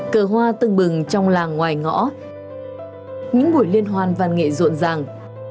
cờ hoa tương bừng trong làng ngoài ngõ những buổi liên hoàn văn nghệ ruộng ràng